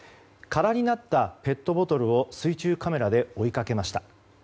空になったペットボトルを水中カメラで追いかけました。